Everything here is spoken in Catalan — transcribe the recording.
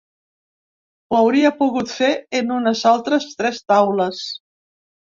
Ho hauria pogut fer en unes altres tres taules.